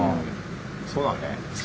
そうだね。